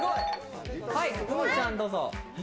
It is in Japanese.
うみちゃん、どうぞ。